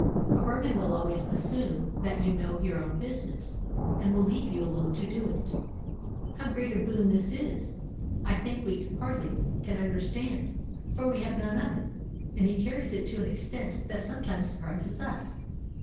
A Burman will always assume that you know your own business, and will leave you alone to do it. How great a boon this is I think we hardly can understand, for we have none of it. And he carries it to an extent that sometimes surprises us.